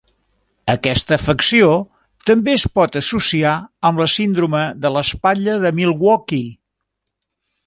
Aquesta afecció també es pot associar amb la síndrome de l'espatlla de Milwaukee.